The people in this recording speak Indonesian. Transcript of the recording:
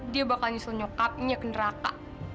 dia bakal nyusul nyokapnya ke neraka